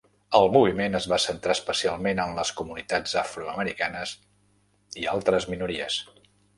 El moviment es va centrar especialment en les comunitats afroamericanes i altres minories.